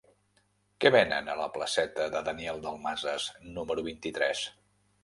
Què venen a la placeta de Daniel Dalmases número vint-i-tres?